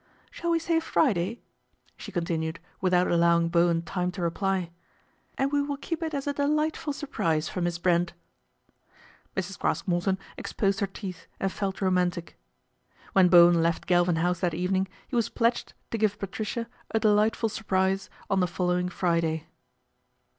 " Shall we say Friday ?" she continued without allowing Bowen time to reply, " and we will keep it as a delightful surprise for Miss Brent/' Mrs. Craske Morton exposed her teeth and felt romantic. When Bowen left Galvin House that evening he was pledged to give Patricia " a delightful sur prise " on the following Friday.